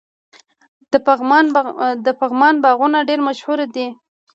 د پغمان باغونه ډیر مشهور دي.